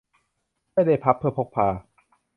ไม่ได้พับเพื่อพกพา